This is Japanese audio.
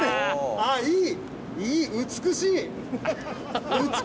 ああいい！